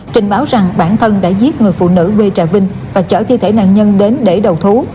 trình báo rằng bản thân đã giết người phụ nữ quê trà vinh và chở thi thể nạn nhân đến để đầu thú